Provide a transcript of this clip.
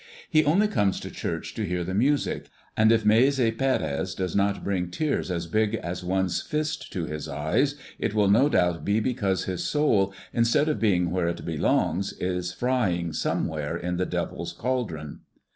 He only comes to church to hear the music; and if Maese Pérez does not bring tears as big as one's fist to his eyes, it will no doubt be because his soul, instead of being where it belongs, is frying somewhere in the Devil's caldron.